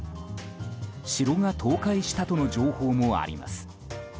城が倒壊したとの情報もあります。